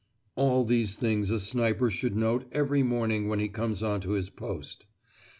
All these things a sniper should note every morning when he comes on to his post.